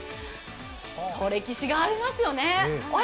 歴史がありますよね。